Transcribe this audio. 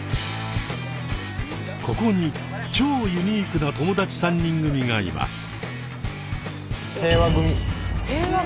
ここに超ユニークな友達３人組がいます。